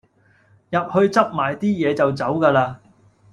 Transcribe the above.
入去執埋啲嘢就走架喇